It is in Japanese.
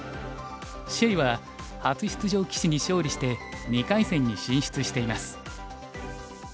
謝は初出場棋士に勝利して２回戦に進出しています。